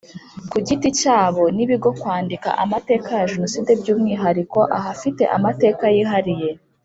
Ku giti cyabo n ibigo kwandika amateka ya jenoside by umwihariko ahafite amateka yihariye